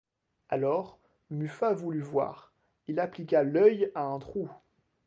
Alors, Muffat voulut voir; il appliqua l'oeil à un trou.